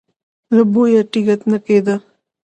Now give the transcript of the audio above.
له بويه ټېکه نه کېده.